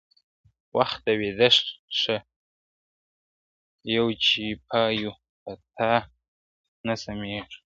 وخته ویده ښه یو چي پایو په تا نه سمیږو ,